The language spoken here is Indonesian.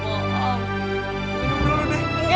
bukannya kamu sudah berubah